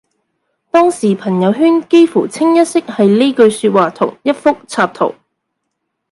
當時朋友圈幾乎清一色係呢句說話同一幅插圖